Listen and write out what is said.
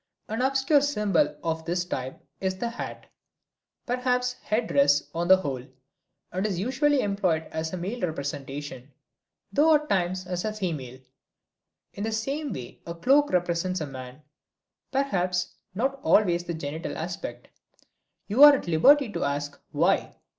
An obscure symbol of this type is the hat, perhaps headdress on the whole, and is usually employed as a male representation, though at times as a female. In the same way the cloak represents a man, perhaps not always the genital aspect. You are at liberty to ask, why?